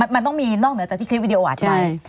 มันต้องมีนอกเหนือจากที่คลิปวิดีโอวาที่ไว้